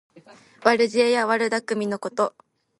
悪知恵や悪だくみのこと。